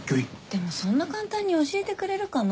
でもそんな簡単に教えてくれるかな？